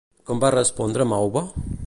Com va respondre Mauva?